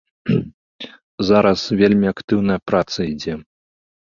Зараз вельмі актыўная праца ідзе.